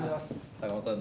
坂本さん